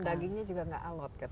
dan dagingnya juga nggak alot katanya